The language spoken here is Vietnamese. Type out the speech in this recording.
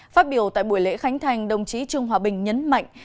phát biểu tại buổi lễ khánh thành đồng chí trương hòa bình nhấn mạnh